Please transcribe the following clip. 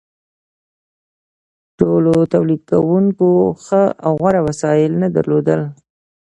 ټولو تولیدونکو ښه او غوره وسایل نه درلودل.